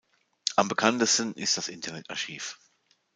Am bekanntesten ist das Internet Archive.